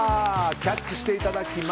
キャッチしていただきます。